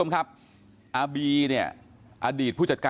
ลองฟังเสียงช่วงนี้ดูค่ะ